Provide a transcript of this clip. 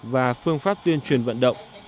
và phương pháp tuyên truyền vận động